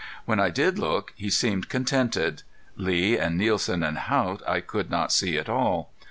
When I did look he seemed contented. Lee and Nielsen and Haught I could not see at all.